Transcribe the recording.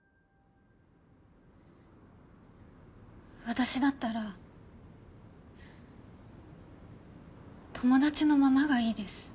私だったら友達のままがいいです。